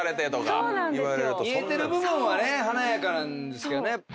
見えてる部分はね華やかなんですけどね。